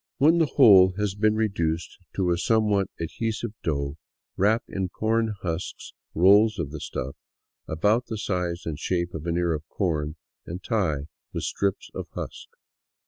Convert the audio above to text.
When the whole has been reduced to a somewhat adhesive dough, wrap in corn husks rolls of the stuff about the size and shape of an ear of corn and tie with strips of husk.